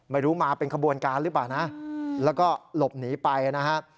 ไม่รู้มาเป็นขบวนการหรือเปล่านะแล้วก็หลบหนีไปนะครับ